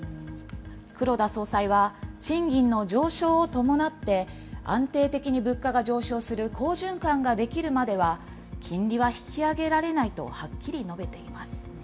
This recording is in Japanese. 黒田総裁は賃金の上昇を伴って、安定的に物価が上昇する好循環ができるまでは、金利は引き上げられないとはっきり述べています。